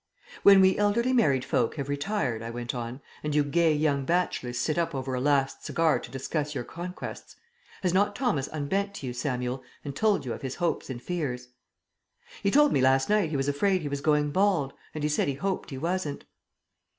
"When we elderly married folk have retired," I went on, "and you gay young bachelors sit up over a last cigar to discuss your conquests, has not Thomas unbent to you, Samuel, and told you of his hopes and fears?" "He told me last night he was afraid he was going bald, and he said he hoped he wasn't."